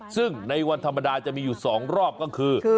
ซึ่งในวันธรรมดาจะมีอยู่๒รอบก็คือ